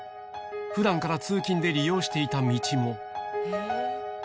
ふだんから通勤で利用していた道も。